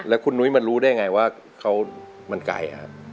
แล้วคุณนุ้ยมันรู้ได้ไงว่ามันไกล